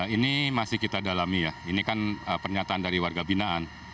ini masih kita dalami ya ini kan pernyataan dari warga binaan